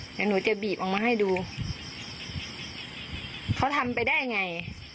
เดี๋ยวหนูจะบีบออกมาให้ดูเขาทำไปได้ไง